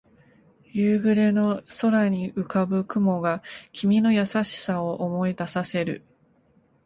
夕暮れの空に浮かぶ雲が君の優しさを思い出させる